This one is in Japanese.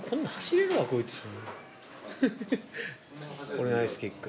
これナイスキック。